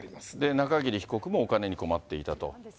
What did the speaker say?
中桐被告もお金に困っていたと。